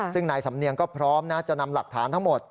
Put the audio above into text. ซึ่งนายสำเนียงก็พร้อมนะจะนำหลักฐานทั้งหมด